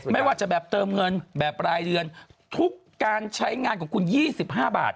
ไม่ว่าจะแบบเติมเงินแบบรายเดือนทุกการใช้งานของคุณ๒๕บาท